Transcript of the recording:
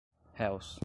réus